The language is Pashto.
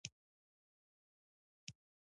دا یې د خپلو ګټو نه ګواښلو لپاره و.